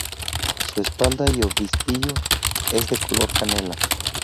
Su espalda y obispillo es de color canela.